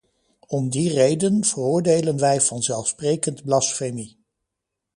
Om die reden veroordelen wij vanzelfsprekend blasfemie.